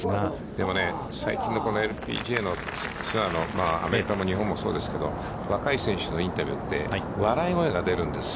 でもね、最近のこのＬＰＧＡのツアーのアメリカも日本もそうですけど、若い選手のインタビューって、笑い声が出るんです。